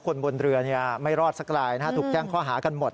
คนบนเรือไม่รอดสักรายถูกแจ้งข้อหากันหมด